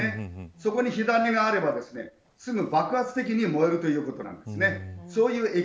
そこに火種があればすぐ爆発的に燃えるということなんです。